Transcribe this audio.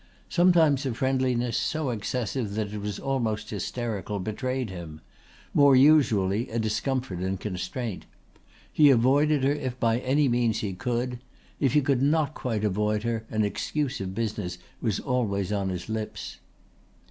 Sometimes a friendliness, so excessive that it was almost hysterical, betrayed him; more usually a discomfort and constraint. He avoided her if by any means he could; if he could not quite avoid her an excuse of business was always on his lips.